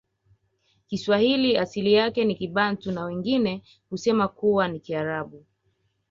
kiswahili asili yake ni kibantu na wengine husema kuwa ni kiarabu